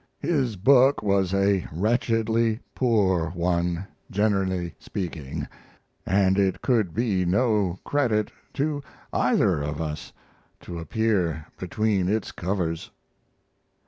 His book was a wretchedly poor one, generally speaking, and it could be no credit to either of us to appear between its covers.